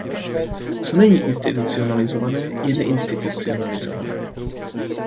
Co není institucionalizované, je neinstitucionalizované.